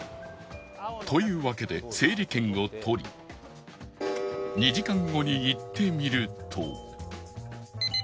というわけで整理券を取り２時間後に行ってみると